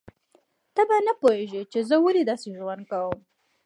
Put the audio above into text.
ته به نه پوهیږې چې زه ولې داسې ژوند کوم